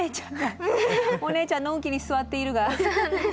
お姉ちゃんのんきに座っているが。